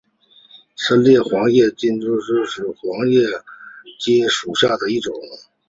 深裂叶黄芩为唇形科黄芩属下的一个种。